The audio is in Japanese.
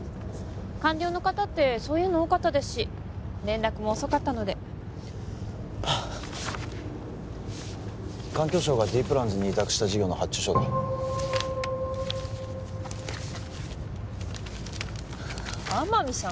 官僚の方ってそういうの多かったですし連絡も遅かったので環境省がＤプランズに委託した事業の発注書だ天海さん